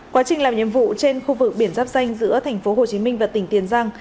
quá trình làm nhiệm vụ trên khu vực biển giáp danh giữa thành phố hồ chí minh và tỉnh tiền giang